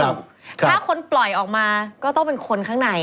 ถ้าคนปล่อยออกมาก็ต้องเป็นคนข้างใน